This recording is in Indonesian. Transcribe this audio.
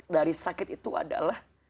dari sakit itu adalah